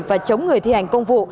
và chống người thi hành công vụ